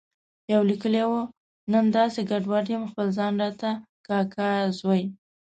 يوه ليکلي و، نن داسې ګډوډ یم چې خپل ځان راته د کاکا زوی